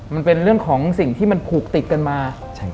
มันเป็นเรื่องของสิ่งที่มันผูกติดกันมา